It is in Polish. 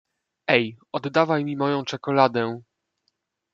Ej, oddawaj mi moją czekoladę!